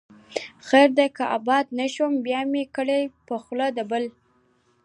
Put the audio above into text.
خير دى که آباد نه شوم، مه مې کړې په خوله د بل